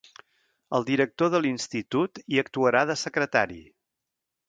El director de l'Institut hi actuarà de secretari.